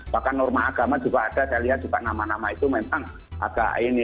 bahkan norma agama juga ada saya lihat juga nama nama itu memang agak ini